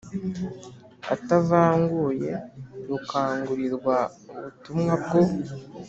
atavanguye rukangurirwa ubutumwa bwo